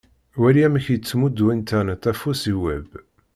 Wali amek i yettmuddu Internet afus i Web.